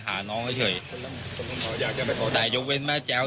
ขอแรกขอแรกครับ